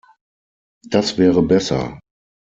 Das wäre besser.